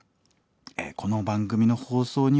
この番組の放送にはですね